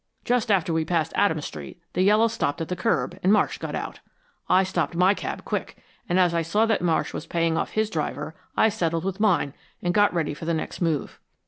Just after we passed Adams Street the Yellow stopped at the curb and Marsh got out. I stopped my cab quick, and as I saw that Marsh was paying off his driver, I settled with mine and got ready for the next move."